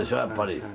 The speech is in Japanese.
やっぱり。